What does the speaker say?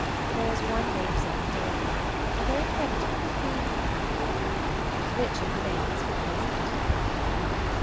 There is one maidservant only, a very creditable, clean looking young woman. Richard remains for the present.